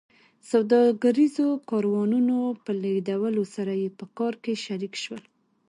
سوداګریزو کاروانونو په لېږدولو سره یې په کار کې شریک شول